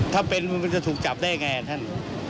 ถ้าเป็นมันจะถูกจับได้ไงท่าน